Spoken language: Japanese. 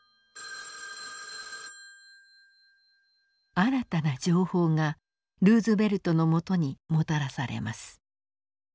☎新たな情報がルーズベルトのもとにもたらされます。